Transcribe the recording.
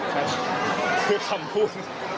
คือคำพูด